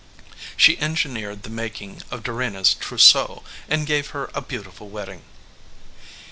She engineered the making of Dorena s trousseau and gave her a beautiful wedding.